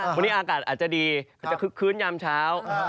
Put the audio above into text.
วันนี้อากาศอาจจะดีคืนยามเช้า